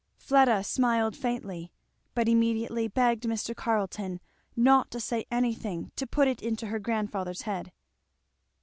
Fleda smiled faintly, but immediately begged Mr. Carleton "not to say anything to put it into her grandfather's head."